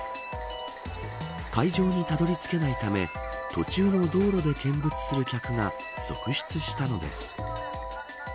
会場にたどり着けないため途中の道路で見物する客が続出したのです。